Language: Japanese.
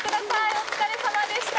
お疲れさまでした。